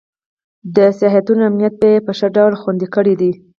د سیاحانو امنیت یې په ښه ډول خوندي کړی دی.